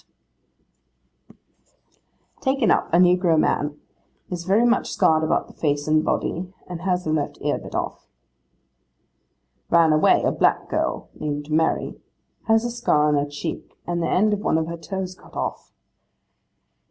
'Taken up, a negro man. Is very much scarred about the face and body, and has the left ear bit off.' 'Ran away, a black girl, named Mary. Has a scar on her cheek, and the end of one of her toes cut off.